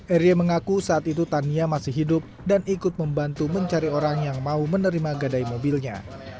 eria mengaku saat itu tania masih hidup dan ikut membantu mencari orang yang mau menerima gadai mobilnya